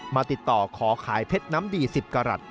มาติดต่อขอขายเพชรน้ำดี๑๐กรัฐ